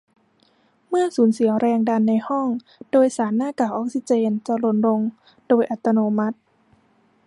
เมื่อสูญเสียแรงดันในห้องโดยสารหน้ากากออกซิเจนจะหล่นลงโดยอัตโนมัติ